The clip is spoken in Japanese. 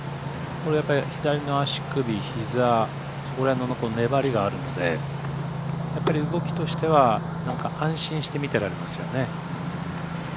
これ、やっぱり左の足首、膝そこら辺の粘りがあるんでやっぱり動きとしては安心して見てられますよね。